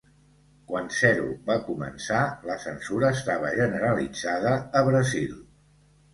Quan Zero va començar, la censura estava generalitzada a Brasil.